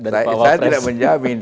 saya tidak menjamin